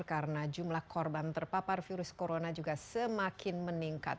karena jumlah korban terpapar virus corona juga semakin meningkat